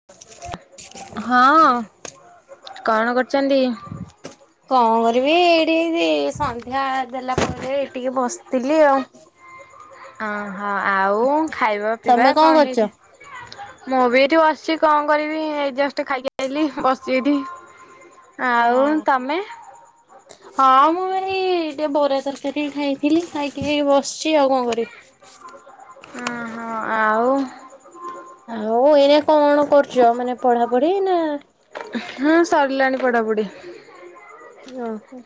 [inaudible] ହଁ କଣ କରୁଛନ୍ତି। କଣ କରିବି ଏଇଠି ସନ୍ଧ୍ୟା ଦେଲା ପରେ ଟିକେ ବସିଥିଲି ଆଉ। ଅହଁ ଆଉ ଖାଇବା ତମେ ପିଇବା କଣ କରୁଛ? ହେଇଛ ମୁଁ ବି ଏଇଠି ବସିଛି କଣ କରିବି ଏ ତେ ଖାଇକି ଆଇି ବସଥିଲି ଆଉ ହଁ। ତମେ ହଁ ମୁଁ ଭାଇ ଟିକେ ବରିଆ ତରକାରୀ ଖାଇଥିଲି ଖାଇକି ଖାଇକି ବସିଛି ଆଉ କଣ କରିବି ଓ ହୋ ଆଉ ଆଉ ଏଇନା କଣ କରୁଛ ମାନେ ପଢା ପଢି ନା ହୁଁ ସରିଲାଣି ପଢାପଢି ଓ ହୋ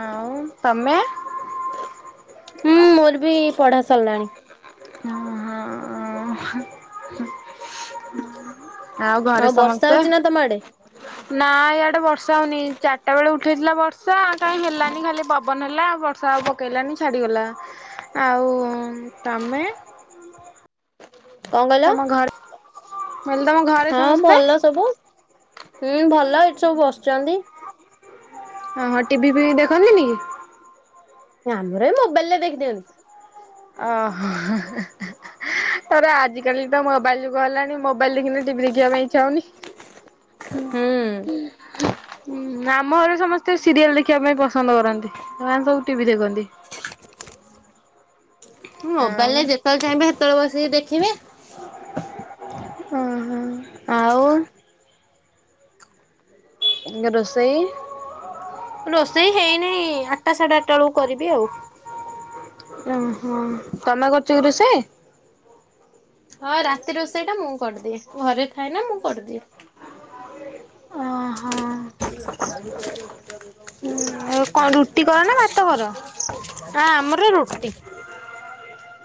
ଆଁ ତମେ ହୁଁ ମୋର ବି ପଢା ସରିଲାଣି। ହ [inaudible] ଆଉ ଘରେ ବର୍ଷା ସମସ୍ତେ। ହଉଛି ନା ତମ ଆଡେ ନା ଇଆଡ଼େ ବର୍ଷା ହେଉନି ଚାରିଟା ବେଳେ ଉଠାଇଥିଲା ବର୍ଷା କାହିଁ ହେଲାନି ଖାଲି ପବନ ହେଲା ବର୍ଷା ହେବ। କେଲାଣି ଛାଡିଗଲା ଆଉ-ଉ-ଉ-ଉ ତମେ? କଣ କହିଲ? ତମ ଘରେ [unintelligible] ତମ ଘରେ ହଁ ସମସ୍ତେ? ଭଲ ହୁଁ ଭଲ ଏଇଠି ସବୁ ବସିଛନ୍ତି। ଓ ହଁ ଟିଭି ଫିଭି ଦେଖନ୍ତିନି କି? ଆମର ଏଇ ମୋବାଇଲ ରେ ଦେଖି ଦିଅନ୍ତି। ଓହୋ। ତର ଆଜିକାଲି ତ ମୋବାଇଲ ଯୁଗ ହେଲାଣି ମୋବାଇଲ ଦେଖିନି ଟିଭି ଦେଖିବାକୁ ଇଚ୍ଛା ହଉନି। ହୁଁ। ଆମ ଘରେ ସମସ୍ତେ ସିରିଏଲ ଦେଖିବା ପାଇଁ ପସନ୍ଦ କରନ୍ତି ସେମାନେ ସବୁ ଟିଭି ଦେଖନ୍ତି। ମୋବାଇଲ ଆଉ ରେ ଯେତେବେଳେ ଚାହିଁବେ ସେତେବେଳେ ବସିକି ଦେଖିବେ। ଓ ହୋ ଆଉ-ଉ ରୋଷେଇ? ରୋଷେଇ ହେଇନି-ଇ-ଇ ଆଠଟା ସାଢ ଆଠଟା ବେଳକୁ କରିବି ଆଉ। ଓ ହୋ ତମେ କରୁଛ କି ରୋଷେଇ? ହଁ ରାତି ରୋଷେଇ ଟା ମୁଁ କରିଦିଏ ଘରେ ଥାଏନା ମୁଁ କରିଦିଏ। ଓହୋ। ସ ହୁଁ ଏ କଣ ରୁଟି କର ନା ଭାତ କର? ଆ ଆମର ରୁଟି।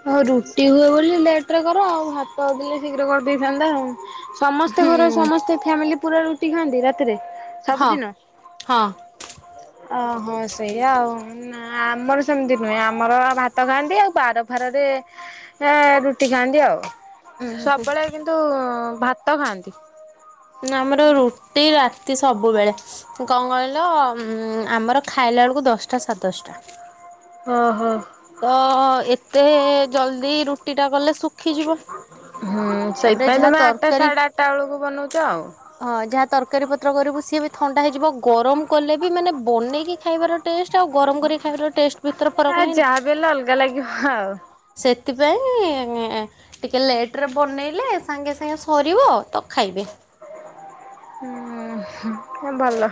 ହଉ ରୁଟି ହୁଏ ବୋଲି ଲେଟ ରେ କର ଆଉ ଭାତ ଦେଲେ ଶୀଘ୍ର କରିଦେଇଥାନ୍ତା ଆଉ। ସମସ୍ତେ ହୁଁ ଘରେ ସମସ୍ତେ ଫ୍ୟାମିଲି ପୁରା ରୁଟି ଖାଆନ୍ତି ରାତିରେ? ହଁ ସବୁଦିନ? ହଁ। ଓହୋ ସେଇଆ ଆଉ ନା ଆମର ସେମିତି ନୁହେଁ ଆମର ଭା ତ ଖାଆନ୍ତି ଆଉ ବାର ଫାରରେ ଏ-ଏ-ଏ ରୁଟି ଖାଆନ୍ତି ଆଉ ଉଁ ହୁଁ ସବୁବେଳେ କି ନ୍ତୁ-ଉ-ଉ-ଉ ଭାତ ଖାଆନ୍ତି। ନାଁ ଆମର ରୁଟି ରାତି ସବୁବେଳେ। ଙ୍କ କହିଲ-ଅ-ଅ-ଅ ଉ-ଉ ଆମର ଖାଇଲା ଏଳକୁ ଦଶଟା ସାଡେ ଦଶଟା। ଓ ହୋ। ତ-ଅ-ଅ-ଅ ଏତେ ଜଲଦି ରୁଟି ଟା କଲେ ଶୁଖିଯିବ। ହୁଁ-ଉ-ଉ ତାପରେ ସେଇଥି ପାଇଁ ଯାହା ତମେ ଆଠଟା ତରକାରୀ ସାଢ଼େଆଠଟା ବେଳକୁ ବନଉଚ। ହଁ ଯାହା ତରକାରୀ ପତ୍ର କରିବୁ ସିଏ ବି ଥଣ୍ଡା ହେଇଯିବ, ଗରମ କଲେ ବି ମାନେ ବନେଇକି ଖାଇବାର ଟେଷ୍ଟ ଆଉ ଗରମ କରି ଖାଇବାର ଟେଷ୍ଟ ଭିତରେ ଫରକ ନାହିଁନା। ବେଲ ଅଲଗା ଲାଗିବ ଆଉ। ସେଥିପାଇଁ-ଇ-ଇ-ଇ-ଇ ଟିକେ ଲେଟରେ ବନେଇଲେ ସାଙ୍ଗେ ସାଙ୍ଗେ ସରିବ ତ ଖାଇବେ। ଉ ହୁଁ ଭଲ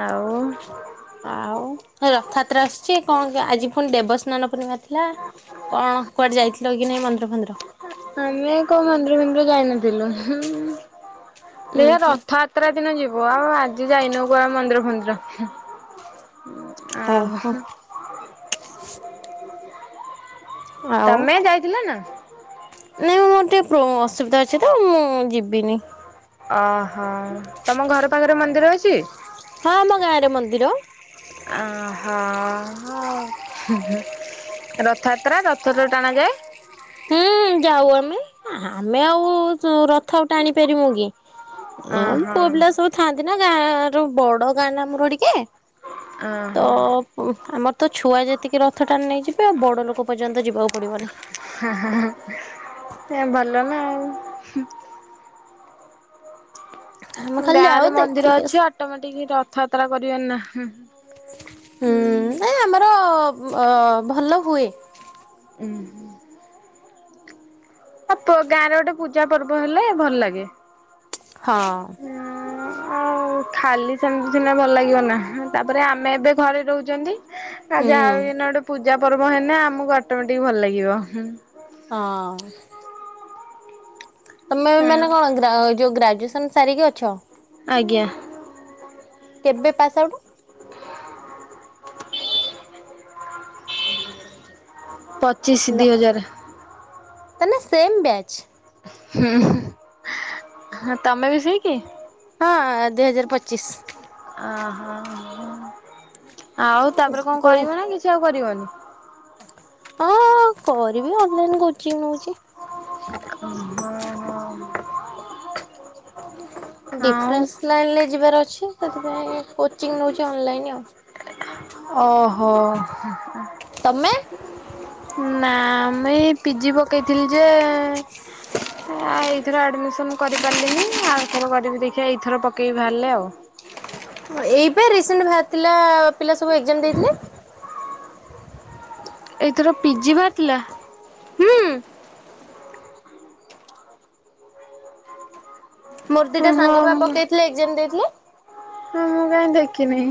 ଆଉ ରଥଯାତ୍ରା ଆସୁଚି, କଣ ଆଜି ପୁଣି ଦେବସ୍ନାନ ପୂର୍ଣିମା ଥିଲା। କଣ କୁଆଡ଼େ ଯାଇଥିଲ କି ନାଇଁ ମନ୍ଦିର ଫନ୍ଦିର? ଆମେ କୋଉ ମନ୍ଦିର ଫନ୍ଦିର ଯାଇନଥିଲୁ ହୁଁ-ଉ-ଉ ଉୁଁ ଦେଖ ହୁଁ ରଥଆ ଯାତ୍ରା ଦିନ ଯିବ ଆଉ ଆଜି ଯାଇନୁ କୁଆଡ଼େ ମନ୍ଦିର ଫନ୍ଦିର। ଓ ଆଉ ହୋ। ଆଉ ତମେ ଯାଇଥିଲ ନା? ନାଇଁଁ ନା ମୋ ପ୍ରୋ ଅସୁବିଧା ଅଛି ତ ମୁଁ-ଉ-ଉ ଯିବିନି। ଓ ହଁ ତମ ଘର ପାଖରେ ମନ୍ଦିର ଅଛି? ହଁ ଆମ ଗାଁରେ ମନ୍ଦିର। ଆ ହଁ, ହଁ ରଥଯାତ୍ରା ରଥରେ ଟଣା ଯାଏ। ହୁଁ, ହୁଁ, ଯାଉଆମେ। ଆମେ ଚ ଆଉ ର ଥ ଟାଣି ପାରିମୁକି? ଏ ଅହ ପୁଅ ପିଲା ସହ ଥାଆନ୍ତି ନା ଯାହାର ବଡ ଗାଁ ନା ଆମର ଟିକେ। ଆଁ ଅ ଅ ଆମର ତ ଛୁଆ ଯେତିକି ରଥଟାଣି ନେଇଯିବେ, ବଡ ଲୋକ ପର୍ଯ୍ୟନ୍ତ ଯିବାକୁ ପଡିବନି! ଏ ଭଲ ନା ଆଉ। ଆମେ ଖାଲି ଗାଁ ଯାଉ ରେ ମନ୍ଦିର ଦେଖିକି ଅଛି, ଆସୁ। ଅଟୋମେଟିକ ରଥଯାତ୍ରା କରିବେନି ନା। ହୁଁ ନାଇ ଆମର ଅ ଭଲ ହୁଏ। ଉୁଁ ହୁଁ। ହଁ, ତୋ ଗାଁରେ ଗୋଟେ ପୂଜା ପର୍ବ ହେଲେ ଭଲ ଲାଗେ! ହଁ ହୁଁ ଆଉ ଓ ଖାଲି ସେମିତି ସିନା ଭଲ ଲାଗିବନା, ତାପରେ ଆମେ ଏବେ ଘରେ ରହୁଚନ୍ତି। ହୁଁ ଯାହାବିକିନା ଗୋଟେ ପୂଜା ପର୍ବ ହେନେ, ଆମକୁ ଅଟୋମେଟିକ ଭଲ ଲାଗିବ! ହଁ। ତମେ ହଁ ଏମାନେ କଣ ଗ୍ରା ଯୋଉ ଗ୍ରାଜୁଏସନ ସାରିକି ଅଛ? ଆଜ୍ଞା। କେବେ ପାସ୍ ଆଉଟ୍? ପଚିଶି ଦି ହଜାରେ। ତାହେନେ ସେମ୍ ବ୍ୟାଚ୍। ହୁଁ ହୁଁ, ତମେ ମିସେଇକି? ହଁ, ଦିଇ ହଜାର ପଚିଶି। ଆହ। ଆଉ ତାପରେ କଣ କୋଉ କରିବ ନା କିଛି ଆଉ କରିବନି? ଅଁ କରିବି, ଅନଲାଇନ କୋଚିଂ ନଉଛି। ହଁ ହଁ। ଆଉ ଡିଫିରେନ୍ସ ଲାଇଲିରେ ଯିବାର ଅଛି, ସେଥିପାଇଁ କୋଚିଙ୍ଗ୍ ନଉଛି ଅଲଲାଇନ ଆଉ। ଅହ। ତମେ? ନା, ଆମେ ପିଜି ପକେଇଥିଲି ଯେ ଆ ଏଇଥର ଆଡମିସନ କରିପାରିଲିନି, ଆଉ ଥର କରିବି ଦେଖିବା, ଏଇଥର ପକେଇବି ବାହାରିଲେ ଆଉ। ଏଇପା ରିସେଣ୍ଟ ବାହାରିଥିଲା, ପିଲା ସବୁ ଏକ୍ଜାମ୍ ଦେଇଥିଲେ। ଏଇଥର ପିଜି ବାହାରି ଥିଲା? ହୁଁ। ମୋର ଦିଟା ସାଙ୍ଗ ପା ପକେଇଥିଲେ, ଏକ୍ଜାମ୍ ଦେଇଥିଲେ। ହଁ ମୁଁ କାଇଁ ଦେଖିନି।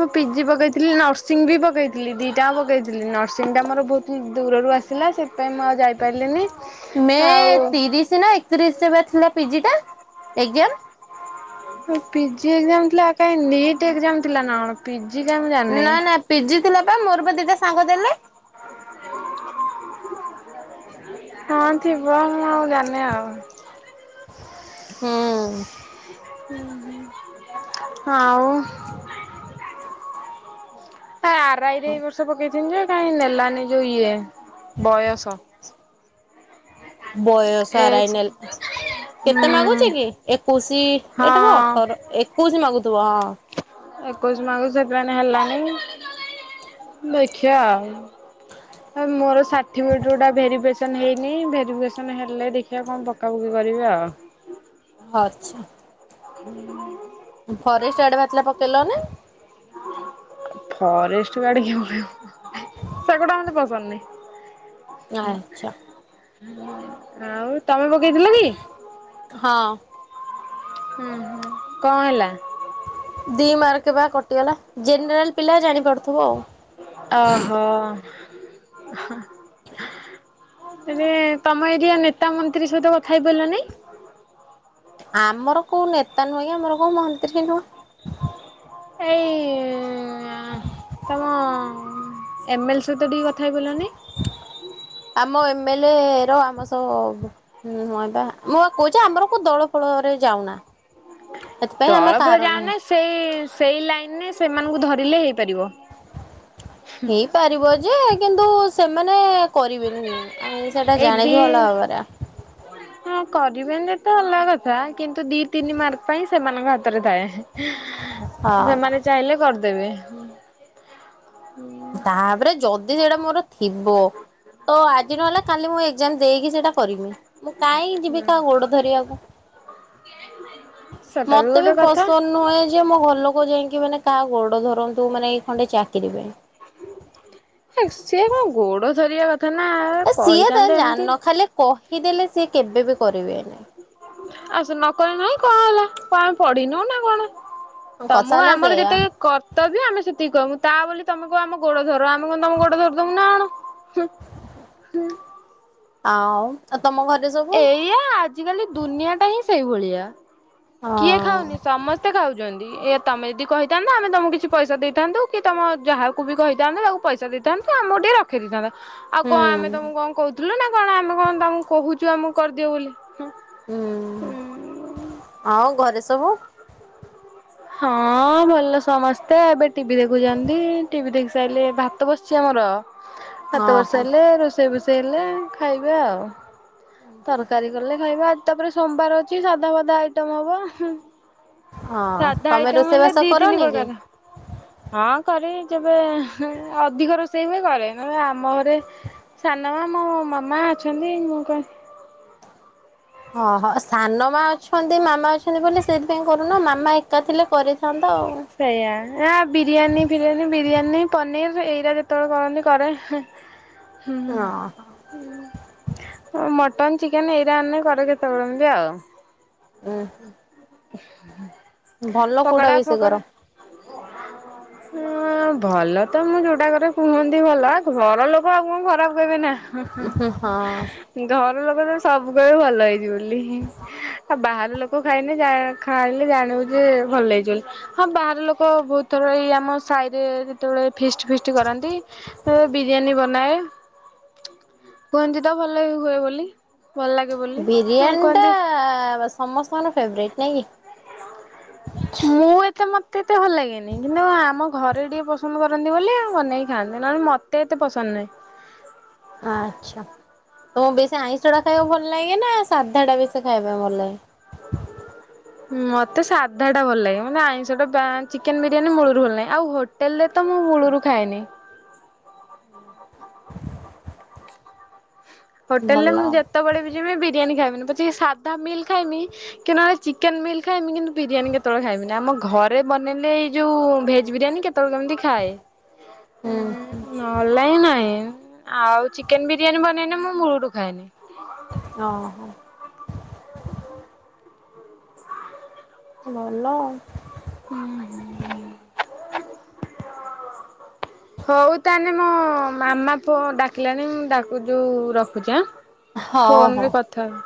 ମୁଁ ପିଜି ପକାଇଥିଲି, ନର୍ସିଂ ବି ପକେଇଥିଲି, ଦିଟା ଯାକ ପକାଇଥିଲି। ନର୍ସିଂଟା ମୋର ବହୁତ ଦୂରରୁ ଆସିଲା ସେ ଥିପାଇଁ ମୁ ଆଉ ଯାଇ ପାରିଲିନି। ମେ ତିରିଶ ନା ଏକତିରିଶରେ ପା ଥିଲା ପିଜି ଟା, ଏକ୍ଜାମ। ହୁଁ ପିଜି ଏକ୍ଜାମ ଥିଲା କାଇଁ, ନିଟ୍ ଏକ୍ଜାମ ଥିଲା ନା କଣ। ପିଜି ଯା ମୁଁ ଜାଣନି। ନା ନା ପିଜି ଥିଲା ପା, ମୋର ବା ଦିଟା ସାଙ୍ଗ ଦେଲେ। ହଁ ଥିବ, ମୁଁ ଆଉ ଜାଣିନି ଆଉ। ହୁଁ। ଆଉ। ଆ ଆର ଆଇ ଏ ବର୍ଷ ପକେଇିନି ଯେ କାହିଁ ନେଲାନି ଯୋଉ ଇଏ ବୟସ। ବୟ ସ ଆର ଆଇ ଏଜ୍ ନେଲ ହୁଁ କେତେ ମାଗୁଚି କି ଏକୋଇଶି ଏଇଟା ବା ହଁ ଅଠର ଏକୋଉସୀ ମାଗୁଥିବ ହଁ। ଏକୋଇଶ ମାଗୁଚି ସେଥିପାଇଁ ତ ହେଲାନି ଦେଖିବା ଆ। ହ [inaudible] ହଉ ମୋର ସାର୍ଟିଫିକେଟ୍ ଗୋରା ଭେରିଫେସନ୍ ହେଇନି ଭେରିଫିକେସନ୍ ହେଲେ ଦେଖିବା କଣ ପକାପକି କରିବି ଆଉ। [unintelligible] ହୁଁ [inaudible] ଫରେଷ୍ଟ ଆୟଡ ବାହାରିଥିଲା ପକେଇଲ ନି? ଫରେଷ୍ଟ ଗାଡକିଏ ପକେଇବ। ସେଗୋଡା ମତେ ପସନ୍ଦ ନାହି। ଆଚ୍ଛା। ଆଉ ତମେ ପକେଇଥିଲ କି? ହଁ। ହୁଁ କଣ ହେଲା? ଦି ମାର୍କ ବା କଟିଗଲା ଜେନେରାଲ ପିଲା ଜାଣି ପାରୁଥିବ ଆଉ। ଓହୋ। ତବେ ତମ ଏରି ଆ ନେତା ମନ୍ତ୍ରୀ ସହିତ କଥା ହେଇପାରିଲନି। ହ [inaudible] ଆମର କୋଉ ନେତା ନୁହେଁ କି ଆମର କୋଉ ମନ୍ତ୍ରୀ ହ ନୁହଁ। ଏଇ ତମ ଏମ୍ଏଲ୍ ସହିତ ଟିକେ କଥା ହେଇପରିଲନି? ଆମ ଏମ ଏଲ ଏ ର ଆମ ସ ହୁଁ ମୁଁ ବା ମୁଁଉ କହୁଚି ଆମର କୋଉ ଦଳ ଫଳରେ ଯାଉନା। ସେଥିପାଇଁ ଆମେ ଦଳ ଫଳ ରେ କାହାର ନୁହଁ। ଯାଉନ ସେଇ ସେଇ ଲାଇନରେ ସେମାନଙ୍କୁ ଧରିଲେ ହେଇପାରିବ। ପାରିବ ଯେ କିନ୍ତୁ ସେମାନେ କରିବେନି ଆମେ ସେଇଟା ଜାଣିଚୁ ଭଲ ଭାବରେ। ହୁଁ [inaudible] ହଁ କରିବେନ ତ ଅଲଗା କଥା କିନ୍ତୁ ଦି ତିନି ମାର୍କ ପାଇଁ ସେମାନଙ୍କ ହାତରେ ଥାଏ। ହଁ ସେମାନେ ଚାହିଁଲେ କରିଦେବେ। ତାପରେ ଯଦି ସେଇଟା ମୋର ଥିବ ତ ଆଜି ନହେଲେ କାଲି ମୁଁ ଏ ଜାମ ଦେଇକି ସେଇଟା କରମି ମୁଁ କାହିଁକିଁ ଯିବି କାହା ଗୋଡ ଧରିବାକୁ। [unintelligible] ସେଟା ମତେ ବି ଗୋଟେ କଥା। ପସନ ନୁହେଁ ଏ ଯେ ମୋ ଘର ଲୋକ ଯାଇକି ମାନେ କାହା ଗୋଡ ଧରନ୍ତୁ ମାନେ ଏଇ ଖଣ୍ଡେ ଚାକିରି ପାଇଁ। ହେ ସିଏ କଣ ଗୋଡ ଧରିବା କଥା ନା କହିଥାନ୍ତେ ଏମିତି ଖାଲେ କ ଖ ଦେଲେ ସିଏ କେବେ ବି କରିବେ ନି। ଆ ସେ ନକଲେ ନାଇଁ କଣ ହେଲା? କଣ ଆମେ ପଢିନୁ ନା କଣ? ତ କଥା ମୁ ହେଲା ଆମର ସେଇଆ ଯେତେ କ ତବ୍ୟ ଆମେ ସେତିକି କମୁ ତା ବୋଲି ତମେ କ ଆମ ଗୋଡ ଧର ଆମେ କଣ ତମ ଗୋଡ ଧରଦମୁ ନା କଣ? ହୁଁ। ଆଉ ଆଉ ତମ ଘରେ ସବୁ? ଏଆ ଆଜିକାଲି ଦୁନିଆ ଟା ହିଁ ସେଇଭଳିଆ। କିଏ ହଁ ଖାଉନି? ସମସ୍ତେ ଖାଉଛନ୍ତି ଏ ତମେ ଯଦି କହିଥାନ୍ତ ଆମେ ତମକୁ କିଛି ପଇସା ଦେଇଥାନ୍ତୁ କି ତୁମ ଯାହାକୁ ବି କହିଥାନ୍ତ ଆଉ ପଇସା ଦେଇଥାନ୍ତୁ ଆମ ଟିକେ ରଖି ଦେଇଥାନ୍ତେ ଆଉ କଣ ଆମେ ହୁଁ। ତମକୁ କଣ କହୁଛୁ? ବୁଥିଲୁ ନା କଣ ଆମେ କଣ ତାଙ୍କୁ କହୁଛୁ ଆମକୁ କରିଦିଅ ବୋଲି ହୁଁ ହ ଆଉ ଘରେ ସବୁ ହଁ ଭଲ ସମସ୍ତେ ଏବେ ଟିଭି ଦେଖୁଛନ୍ତି ଟିଭି ଦେଖି ସାରିଲେ ଭାତ ବସିଛି ଆମର ହାତ ଓହୋ ବର୍ଷ ହେଲେ ରୋଷେଇ ଫୋଷେଇ ହେଲେ ଖାଇବେ ଆଉ। ତରକାରୀ କଲେ ଖାଇବା ଆ ତାପରେ ସୋମବାର ଅଛି ସାଧା ଫାଧା ଆଇଟମ ହବ। ହଁ ସାଧା ତମେ ଆଇଟମ ହେଲେ ରୋଷେଇବାସ ଦି ତିନି କରନି କି? ପ୍ରକାର। ହଁ କରେ ଯେବେ ଅଧିକ ରୋଷେଇ ହୁଏ କରେ ନ ଆମ ଘରେ ସାନ ମା ମୋ ମାମା ଅଛନ୍ତି। ମୁଁ କ ଓହୋ ସାନ ମା ଅଛନ୍ତି ମାମା ଅଛନ୍ତି ବୋଲି ସେଥିପାଇଁ କରୁନ ମାମା ଏକା ଥିଲେ କରି ଥାଆନ୍ତା ଆଉ। ସେଇଆା ଏ ବିରିୟାନୀ ଫିରିୟାନୀ ବିରିୟାନୀ ପନିର ଏଇଟା ଯେତେବେଳେ କରନ୍ତି କରେ। ହୁଁ ହଁ ମଟନ ଚିକେନ ଏଇରା ଆଣିଲେ କରେ କେତେବେଳେ ବି ଆଉ। ଉୁଁ। ପକଡ଼ା ବେଶୀ କର ଫକଡ଼ା ହଁ ହ ଭଲ ତ ମୁଁ ଯୋଉଟାକରେ କୁହନ୍ତି ଭଲ। ଘର ଲୋକ ଆଉ କଣ ଖରାପ କହିବେ ନା? ହୁଁ ହଁ। ହୁଁ ଘର ଲୋକ ତ ସବୁ କହିବେ ଭଲ ହେଇଛିିବ ବୋଲି। ଆଉ ବାହାର ଲୋକ ଖାଇନି ଖାଣିଲେ ଜାଣିବୁ ଯେ ଭଲ ଲାଗିଛି ବୋଲି ହଁ ବାହାର ଲୋକ ବହୁତ ଥର ଏଇ ଆମ ସାହିରେ ସେତେବେଳେ ଫିଷ୍ଟ ଫିଷ୍ଟ କରନ୍ତି ବିରିୟାନୀ ବନାଏ। କୁହନ୍ତି ତ ଭଲ ବି ହୁଏ ବୋଲି। ଭଲ ଲାଗେ ବୋଲି ହଁ ବିରିୟାନୀ ଟା କୁହନ୍ତି। ସମସ୍ତଙ୍କର ଫେବରଟ୍ ନାଇଁ କି? ମୁଁ ଏତେ ମତେ ଏତେ ଭଲ ଲାଗେନି କିନ୍ତୁ ଆମ ଘରେ ଟିକେ ପସନ୍ଦ କରନ୍ତି ବୋଲି ଆଉ ବନେଇକି ଖାନ୍ତି ନହେଲେ ମ ତେ ଏତେ ପସନ୍ଦ ନାହିଁ। ଆଚ୍ଛା ତମକୁ ବେଶୀ ଆଇଁଷ ଟା ଖାଇବାକୁ ଭଲ ଲାଗେ ନା ସାଧା ଟା ବେଶୀ ଖାଇବା ପାଇଁ ଭଲ ଲାଗେ ମତେ ସାଧା ଟା ଭଲ ଲାଗେ ମାନେ ଆଇଁଷ ଟା ଚିକେନ ବିରିୟାନୀ ମୂଳରୁ ଭଲ ନାହିଁ ଆଉ ହୋ ଟେଲରେ ତ ମୁଁ ମୂଳରୁ ଖାଏନି। ହୋଟେଲ ରେ ଭଲ ମୁଁ ଆଉ ଯେତେବେଳେ ବି ଯିବି ବିରିୟାନୀ ଖାଇବମିନି ପଛେ ସାଧା ମିଲ୍ ଖାଇମି। କିନ୍ତ ଚିକେନ ମିଲ୍ ଖାଇମି କିନ୍ତୁ ବିରିୟାନୀ କେତେବେଳେ ଖାଇବି ଆମ ଘରେ ବନେଇଲେ ଏଇ ଯୋଉ ଭେଜ୍ ବିରିୟାନୀ କେତେ ବେଳେ କେମିତି ଖାଏ। ହୁଁ ଉଁ ହୁଁ ନହେଲେ ନାହିଁ ଆଉ ଚିକେନ ବିରିୟାନୀ ବନେଇନି ମୁଁ ମୂଳରୁ ଖାଏନି। ଓହୋ ଭଲ ଆଉ। ହୁଁ ହୁଁ। ହଉ ତାହେଲେ ମୋ ମାମା ପୁଅ ଡାକିଲାନି ମୁଁ ତାକୁ ଯୋଉ ରଖୁଛି ହାଁ। ହଉ ହଉ ଫୋନ ରେ ହଉ। କଥା ହ।